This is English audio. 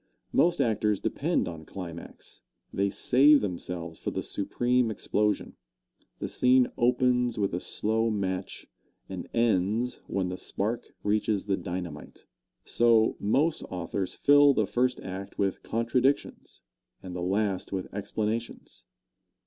Most actors depend on climax they save themselves for the supreme explosion. The scene opens with a slow match and ends when the spark reaches the dynamite. So, most authors fill the first act with contradictions and the last with explanations.